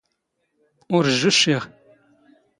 ⵓⵔ ⵊⵊⵓ ⵛⵛⵉⵖ.